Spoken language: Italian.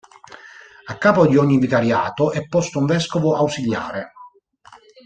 A capo di ogni vicariato è posto un vescovo ausiliare.